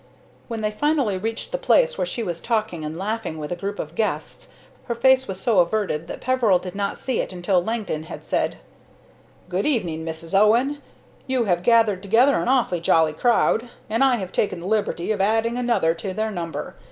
When they finally reached the place where she was talking and laughing with a group of guests, her face was so averted that Peveril did not see it until after Langdon had said: "Good evening, Mrs. Owen. You have gathered together an awfully jolly crowd, and I have taken the liberty of adding another to their number.